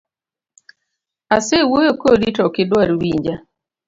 Asewuoyo kodi to ok idwar winja.